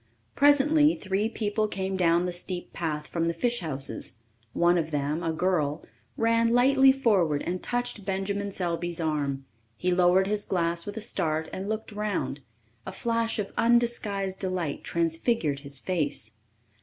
Presently three people came down the steep path from the fish houses. One of them, a girl, ran lightly forward and touched Benjamin Selby's arm. He lowered his glass with a start and looked around. A flash of undisguised delight transfigured his face.